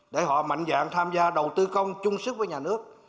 để họ mạnh dạng tham gia đầu tư công chung sức với nhà nước